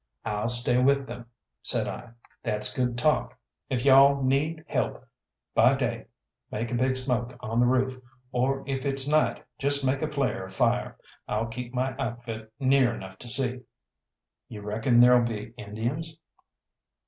"I'll stay with them," said I. "That's good talk. If you all need help by day make a big smoke on the roof, or if it's night just make a flare of fire. I'll keep my outfit near enough to see." "You reckon there'll be Indians?"